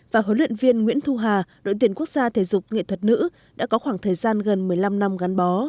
và huấn luyện viên nguyễn thu hà đội tuyển quốc gia thể dục nghệ thuật nữ đã có khoảng thời gian gần một mươi năm năm gắn bó